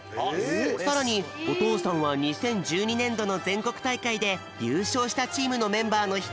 さらにおとうさんは２０１２ねんどのぜんこくたいかいでゆうしょうしたチームのメンバーのひとりなんだって。